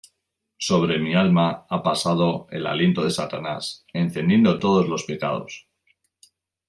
sobre mi alma ha pasado el aliento de Satanás encendiendo todos los pecados: